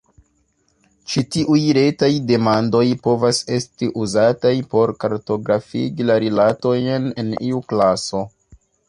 Ĉi tiuj retaj demandoj povas esti uzataj por kartografigi la rilatojn en iu klaso.